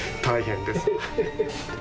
大変です。